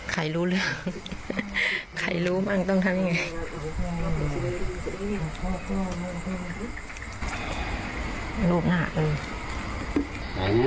ใครรู้เรื่องใครรู้มันต้องทำยังไง